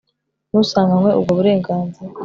n usanganywe ubwo burenganzira